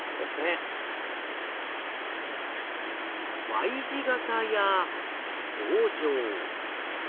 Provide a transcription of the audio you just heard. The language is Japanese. Ｙ字形や棒状。